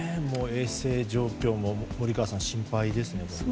衛生状況も森川さん、心配ですね。